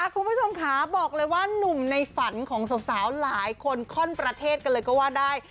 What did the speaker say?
คุณผู้ชมค่ะบอกเลยว่านุ่มในฝันของสาวหลายคนข้อนประเทศกันเลยก็ว่าได้